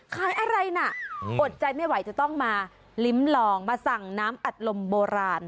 ขายอะไรน่ะอดใจไม่ไหวจะต้องมาลิ้มลองมาสั่งน้ำอัดลมโบราณ